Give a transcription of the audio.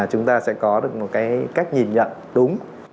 chúng ta sẽ có được một cái cách nhìn nhận đúng